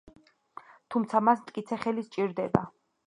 თუმცა მას მტკიცე ხელი სჭირდება.